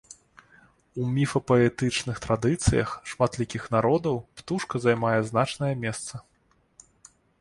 У міфапаэтычных традыцыях шматлікіх народаў птушка займае значнае месца.